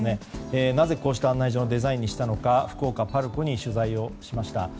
なぜこうした案内所のデザインにしたのか福岡パルコに取材をしました。